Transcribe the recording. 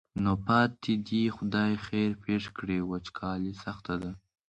نو پاتې دې خدای خیر پېښ کړي وچکالي سخته ده.